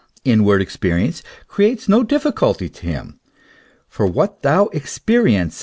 Inward experience creates no difficulty to him ; for what thou experiences!